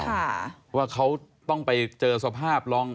ค่ะว่าเขาต้องไปเจอสภาพลอง